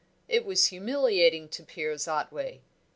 It was humiliating to Piers Otway.